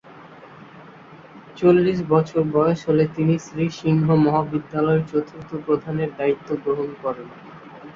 চল্লিশ বছর বয়স হলে তিনি শ্রী সিংহ মহাবিদ্যালয়ের চতুর্থ প্রধানের দায়িত্ব গ্রহণ করেন।